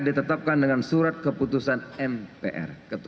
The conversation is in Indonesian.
ditetapkan dengan surat keputusan mpr